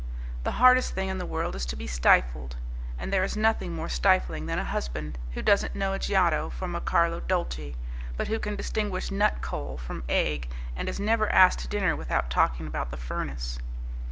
The hardest thing in the world is to be stifled: and there is nothing more stifling than a husband who doesn't know a Giotto from a Carlo Dolci, but who can distinguish nut coal from egg and is never asked to dinner without talking about the furnace.